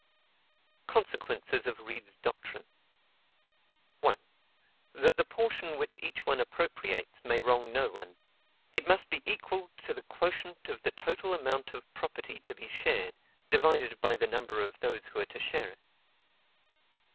Consequences of Reid's doctrine. 1. That the portion which each one appropriates may wrong no one, it must be equal to the quotient of the total amount of property to be shared, divided by the number of those who are to share it; 2.